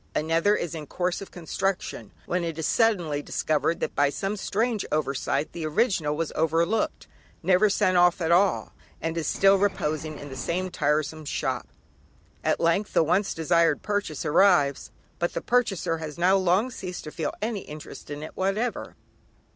Another is in course of construction, when it is suddenly discovered that by some strange oversight the original was overlooked, never sent off at all, and is still reposing in the same tiresome shop. At length the once desired purchase arrives, but the purchaser has now long ceased to feel any interest in it whatever.